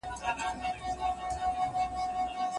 ته هم چنداني شی ولاکه يې نقيبه ياره!